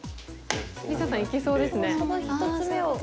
リサさんいけそうですね。